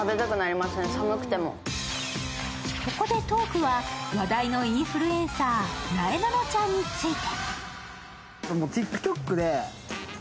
ここでトークは話題のインフルエンサー、なえなのちゃんについて。